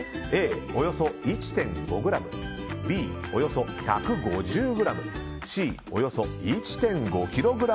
Ａ、およそ１．５ｇＢ、およそ１５０ｇＣ、およそ１．５ｋｇ。